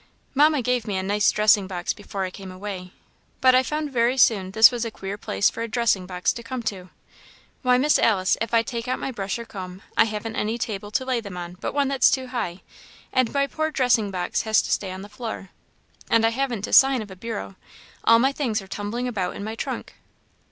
Mamma gave me a nice dressing box before I came away, but I found very soon this was a queer place for a dressing box to come to. Why, Miss Alice, if I take out my brush or comb, I haven't any table to lay them on but one that's too high, and my poor dressing box has to stay on the floor. And I haven't a sign of a bureau all my things are tumbling about in my trunk."